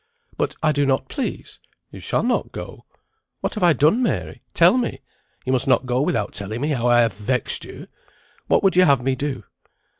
"But I do not please. You shall not go. What have I done, Mary? Tell me. You must not go without telling me how I have vexed you. What would you have me do?"